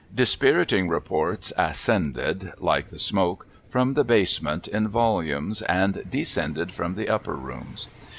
Dispiriting reports ascended (like the smoke) from the basement in volumes, and descended from the upper rooms.